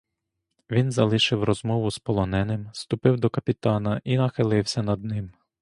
Він залишив розмову з полоненим, ступив до капітана і нахилився над ним.